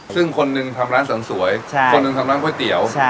ซึ่งคนหนึ่งทำร้านเสริมสวยคนหนึ่งทำร้านก๋วยเตี๋ยว